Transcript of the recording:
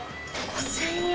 ５０００円。